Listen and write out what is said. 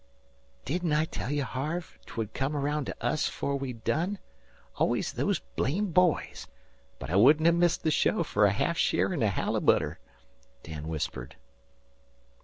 "Didn't I tell you, Harve, 'twould come araound to us 'fore we'd done? Always those blame boys. But I wouldn't have missed the show fer a half share in a halibutter," Dan whispered.